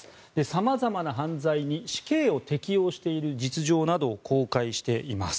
様々な犯罪に死刑を適用している実情などを公開しています。